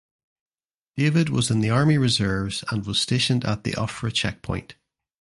David was in the army reserves and was stationed at the Ofra checkpoint.